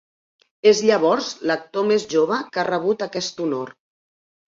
És llavors l'actor més jove que ha rebut aquest honor.